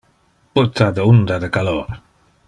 Puta de unda de calor!